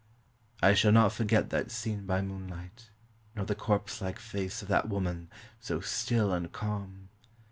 I shall not forget that scene by moonlight, nor the corpse like face of that woman, so still and calm.